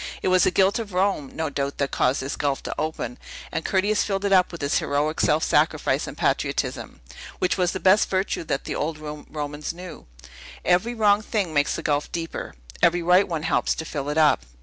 It was the guilt of Rome, no doubt, that caused this gulf to open; and Curtius filled it up with his heroic self sacrifice and patriotism, which was the best virtue that the old Romans knew. Every wrong thing makes the gulf deeper; every right one helps to fill it up.